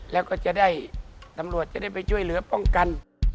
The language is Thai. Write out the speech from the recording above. แล้วก็จะได้ตำรวจจะได้ไปช่วยเหลือป้องกัน